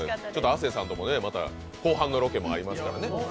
亜生さんともね、また、後半のロケもありますから。